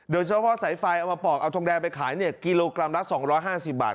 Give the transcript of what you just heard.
โดยเฉพาะสายไฟเอามาปอกเอาทองแดงไปขายกิโลกรัมละ๒๕๐บาท